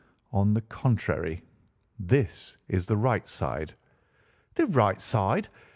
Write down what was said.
"On the contrary, this is the right side." "The right side?